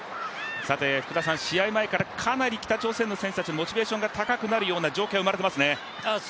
さて試合前からかなり北朝鮮の選手たち、モチベーションが高くなる状況がありますね。